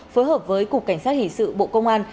phối hợp với cục cảnh sát hình sự bộ công an